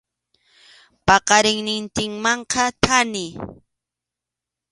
Paqariqnintinmanqa thani.